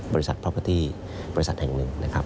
บริษัทพรอพอตี้บริษัทแห่งหนึ่ง